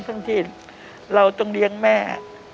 ซึ่งที่เราต้องเลี้ยงแม่